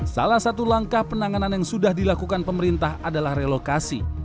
salah satu langkah penanganan yang sudah dilakukan pemerintah adalah relokasi